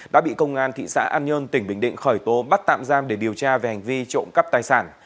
đã bị công an thị xã an nhơn tỉnh bình định khởi tố bắt tạm giam để điều tra về hành vi trộm cắp tài sản